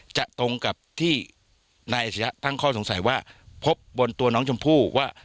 ตรงกับที่นายอาชียะตั้งข้อสงสัยว่าพบบนตัวน้องชมพู่ว่า